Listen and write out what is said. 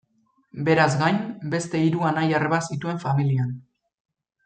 Beraz gain, beste hiru anai-arreba zituen familian.